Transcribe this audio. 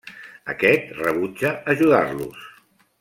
Aquest rebutja ajudar-los.